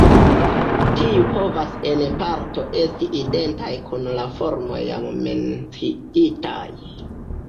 Tiuj povas en parto esti identaj kun la formoj jam menciitaj.